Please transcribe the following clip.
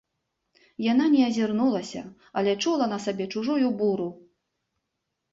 Яна не азірнулася, але чула на сабе чужую буру.